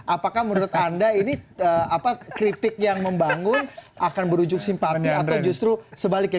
apakah menurut anda ini kritik yang membangun akan berujung simpati atau justru sebaliknya